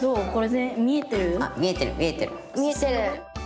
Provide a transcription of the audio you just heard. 見えてる。